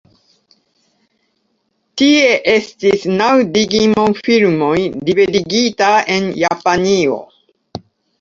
Tie estis naŭ Digimon filmoj liberigita en Japanio.